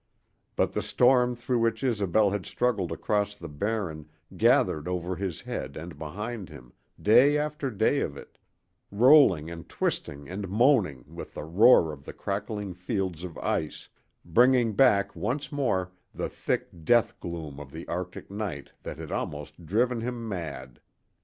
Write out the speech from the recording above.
But the storm through which Isobel had struggled across the Barren gathered over his head and behind him, day after day of it, rolling and twisting and moaning with the roar of the cracking fields of ice, bringing back once more the thick death gloom of the arctic night that had almost driven him mad.